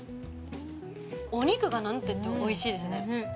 お肉が何と言ってもおいしいですね。